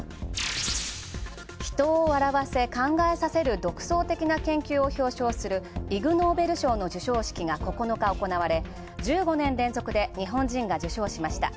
人を笑わせ考えさせる独創的な研究を受賞するイグ・ノーベル賞の授賞式が９日、行われ、１５年連続で日本人が受賞しました。